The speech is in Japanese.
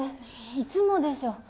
いつもでしょ？